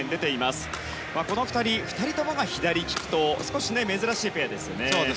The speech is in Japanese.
この２人、２人ともが左利きと少し珍しいペアですね。